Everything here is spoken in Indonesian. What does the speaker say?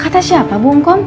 kata siapa bu ngom